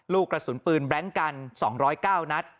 ลูกกระสุนปืนแบล็งกัน๒๐๙นัด